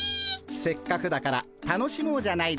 せっかくだから楽しもうじゃないですか。